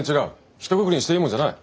ひとくくりにしていいもんじゃない。